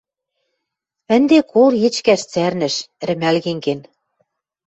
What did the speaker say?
Ӹнде кол йӹчкӓш цӓрнӹш: рӹмӓлген кен.